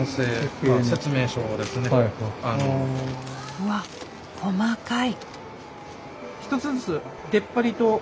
うわっ細かい！